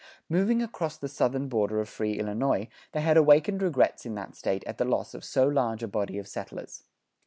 Moving across the southern border of free Illinois, they had awakened regrets in that State at the loss of so large a body of settlers.